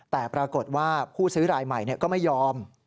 แต่ปรากฏว่าผู้ซื้อรายใหม่ก็ไม่ยอม